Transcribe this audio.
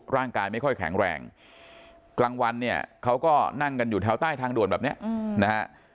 ร่างกายไม่ค่อยแข็งแรงกลางวันเนี่ยเขาก็นั่งกันอยู่แถวใต้ทางด่วนแบบนี้นะฮะ